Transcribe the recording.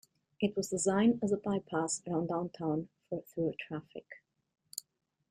It was designed as a bypass around Downtown for through traffic.